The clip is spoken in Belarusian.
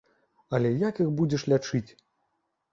Але як іх будзеш лячыць?